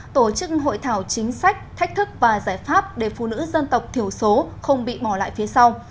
tổ chức hội thảo chính sách thách thức và giải pháp để phụ nữ dân tộc thiểu số không bị bỏ lại phía sau